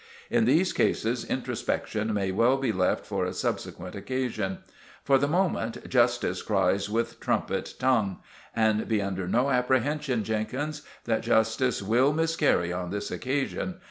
"In these cases introspection may well be left for a subsequent occasion. For the moment justice cries with trumpet tongue. And be under no apprehension, Jenkins, that justice will miscarry on this occasion.